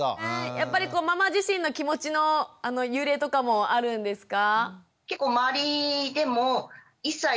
やっぱりママ自身の気持ちの揺れとかもあるんですか？